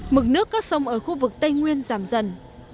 mực nước các sông ở khu vực tây nguyên giảm dần